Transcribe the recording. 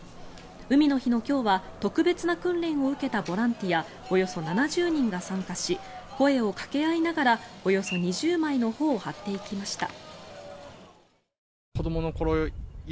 海の日の今日は特別な訓練を受けたボランティアおよそ７０人が参加し声をかけ合いながらおよそ２０枚の帆を張っていきました。